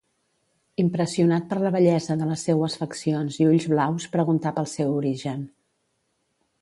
Impressionat per la bellesa de les seues faccions i ulls blaus preguntà pel seu origen.